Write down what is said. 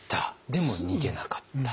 でも逃げなかった。